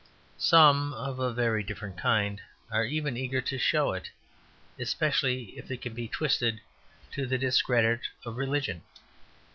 Some, of a very different kind, are even eager to show it; especially if it can be twisted to the discredit of religion.